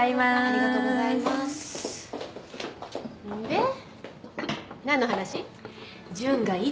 えっ？